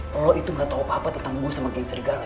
lo itu gak tau apa apa tentang gue sama geng serigala ya